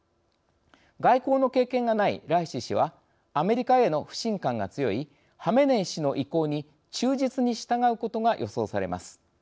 外交の経験がないライシ師はアメリカへの不信感が強いハメネイ師の意向に忠実に従うことが予想されます。